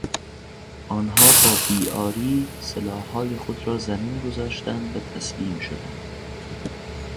آنها با بیعاری سلاحهای خود را زمین گذاشتند و تسلیم شدند.